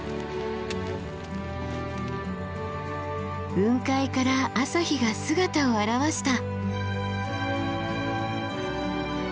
雲海から朝日が姿を現した。